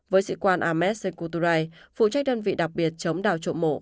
với sĩ quan ahmed shekuturai phụ trách đơn vị đặc biệt chống đào trộm mộ